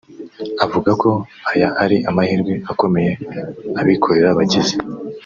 Avuga ko aya ari amahirwe akomeye abikorera bagize